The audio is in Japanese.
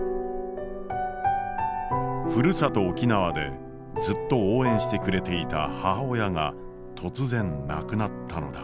ふるさと沖縄でずっと応援してくれていた母親が突然亡くなったのだ。